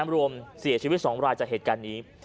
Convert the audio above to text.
รวมเสียชีวิต๒รายจากเหตุการณ์นี้